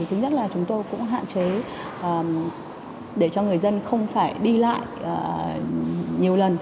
thứ nhất là chúng tôi cũng hạn chế để cho người dân không phải đi lại nhiều lần